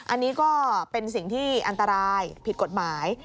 อันนี้ก็เป็นสิ่งที่อันตรายผิดกฎหมาย